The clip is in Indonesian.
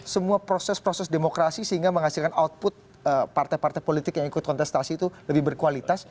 semua proses proses demokrasi sehingga menghasilkan output partai partai politik yang ikut kontestasi itu lebih berkualitas